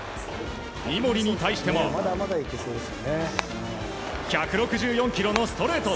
三森に対しては１６４キロのストレート。